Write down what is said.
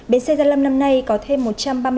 bến xe gia lâm năm nay có thêm